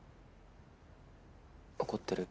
怒ってる？